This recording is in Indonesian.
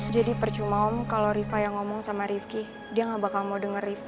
jadi percuma om kalo rifka yang ngomong sama rifki dia gak bakal mau denger riva